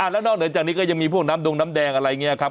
แล้วนอกเหนือจากนี้ก็ยังมีพวกน้ำดงน้ำแดงอะไรอย่างนี้ครับ